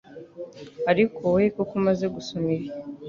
ariko wowe kuko umaze gusoma ibi